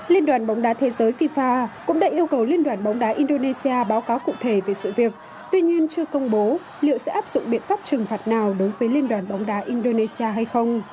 liên đoàn bóng đá thế giới fifa cũng đã yêu cầu liên đoàn bóng đá indonesia báo cáo cụ thể về sự việc tuy nhiên chưa công bố liệu sẽ áp dụng biện pháp trừng phạt nào đối với liên đoàn bóng đá indonesia hay không